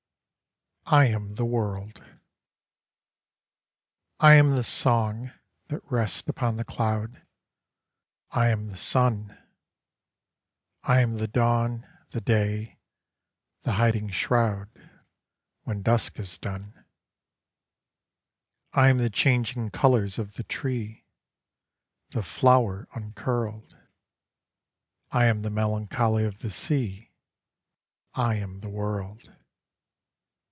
I AM THE WORLD I am the song, that rests upon the cloud; I am the sun: I am the dawn, the day, the hiding shroud, When dusk is done. I am the changing colours of the tree; The flower uncurled: I am the melancholy of the sea; I am the world.